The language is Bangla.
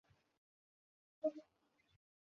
এর প্রতিষ্ঠাতা সভাপতি ছিলেন বিচারপতি আবদুস সাত্তার।